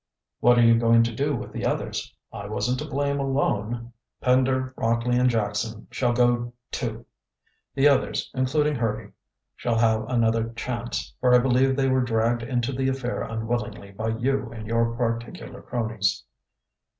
"What are you going to do with the others? I wasn't to blame alone." "Pender, Rockley, and Jackson shall go, too. The others, including Hurdy, shall have another chance, for I believe they were dragged into the affair unwillingly by you and your particular cronies."